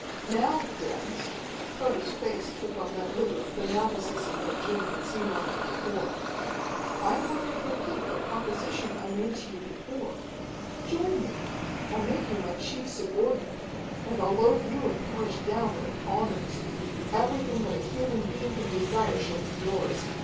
"Now, Dent" Tode's face took on that look of fanaticism that Jim had seen on it before "I'm going to repeat the proposition I made to you before. Join me. I'll make you my chief subordinate, and I'll load you and Parrish down with honors. Everything that a human being can desire shall be yours.